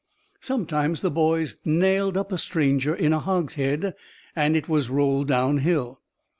Sometimes "the Boys" nailed up a stranger in a hogshead and it was rolled down hill.